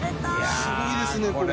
すごいですねこれ。